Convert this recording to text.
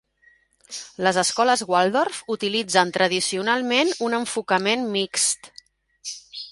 Les escoles Waldorf utilitzen tradicionalment un enfocament mixt.